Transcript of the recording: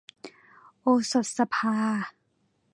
โอสถสภา